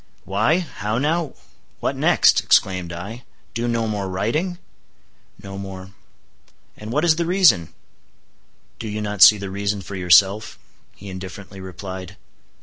"Why, how now? what next?" exclaimed I, "do no more writing?" "No more." "And what is the reason?" "Do you not see the reason for yourself," he indifferently replied.